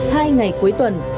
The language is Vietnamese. hai ngày cuối tuần